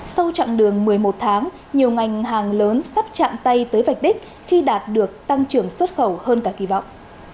sau chặng đường một mươi một tháng nhiều ngành hàng lớn sắp chạm tay tới vạch đích khi đạt được tăng trưởng xuất khẩu hơn cả kỳ vọng